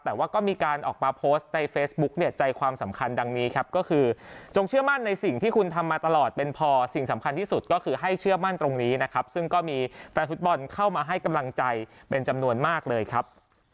แต่ว่าก็มีการออกมาโพสต์ในเฟซบุ๊กเนี่ยใจความสำคัญดังนี้ครับก็คือจงเชื่อมั่นในสิ่งที่คุณทำมาตลอดเป็นพอสิ่งสำคัญที่สุดก็คือให้เชื่อมั่นตรงนี้นะครับซึ่งก็มีแฟนฟุตบอลเข้ามาให้กำลังใจเป็นจำนวนมากเลยครับ